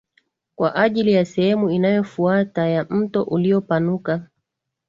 kwa ajili ya sehemu inayofuata ya mto uliopanuka